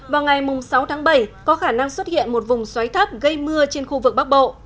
vào ngày sáu tháng bảy có khả năng xuất hiện một vùng xoáy thấp gây mưa trên khu vực bắc bộ